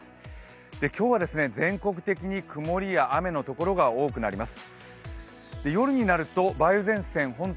今日は全国的に曇りや雨のところが多くなります。